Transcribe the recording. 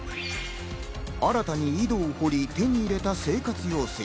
新たに井戸を掘り、手に入れた生活用水。